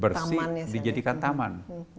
bersih dijadikan taman